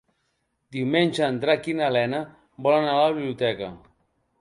Diumenge en Drac i na Lena volen anar a la biblioteca.